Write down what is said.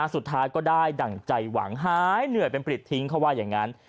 สุดท้ายก็ได้ดั่งใจหวังหายเหนื่อยเป็นปริดทิ้งเขาว่าอย่างนั้น